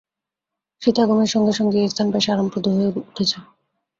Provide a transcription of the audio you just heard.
শীতাগমের সঙ্গে সঙ্গে এ স্থান বেশ আরামপ্রদ হয়ে উঠেছে।